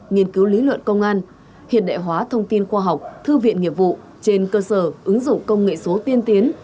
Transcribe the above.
nghiên cứu lý luận công an hiện đại hóa thông tin khoa học thư viện nghiệp vụ trên cơ sở ứng dụng công nghệ số tiên tiến